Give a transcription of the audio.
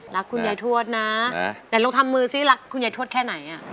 รักคุณยายทวดนะแต่ลองทำมือซิรักคุณยายทวดแค่ไหน